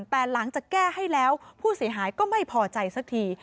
แต่หลังจากแก้ให้แล้วผู้เสียหายก็ไม่พอใจสักที